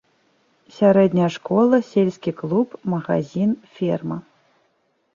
Сярэдняя школа, сельскі клуб, магазін, ферма.